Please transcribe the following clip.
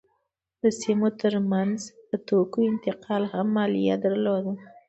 د سیمو ترمنځ د توکو انتقال هم مالیه درلوده.